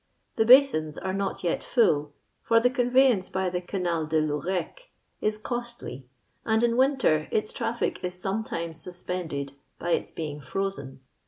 The basins are not yet full; for the conveyance by the Canal de I'Ourcq is costly, and in winter its traffic is sometimes suspended by its being frozen.